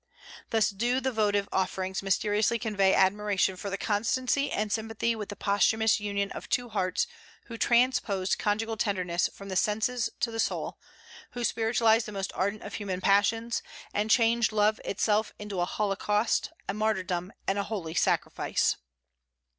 Thus do those votive offerings mysteriously convey admiration for the constancy and sympathy with the posthumous union of two hearts who transposed conjugal tenderness from the senses to the soul, who spiritualized the most ardent of human passions, and changed love itself into a holocaust, a martyrdom, and a holy sacrifice."